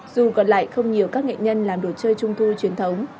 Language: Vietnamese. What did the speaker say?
dù còn lại không nhiều các nghệ nhân làm đồ chơi trung thu truyền thống